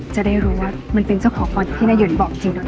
จะได้รู้ว่ามันเป็นเจ้าของพ่อที่นายเยินบอกจริงนะพ่อ